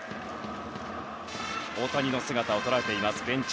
大谷の姿を捉えています。